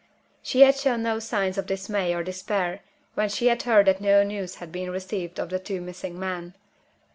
She had shown no signs of dismay or despair when she heard that no news had been received of the two missing men.